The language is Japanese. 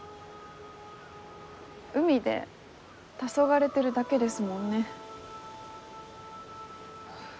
海でたそがれてるだけですもんね。